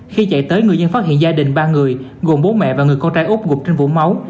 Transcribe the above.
khi chạy tới người dân phát hiện gia đình ba người gồm bố mẹ và người con trai úc gục trên vùng máu